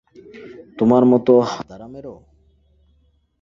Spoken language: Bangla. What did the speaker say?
তোমার মতো হাঁদারামেরও।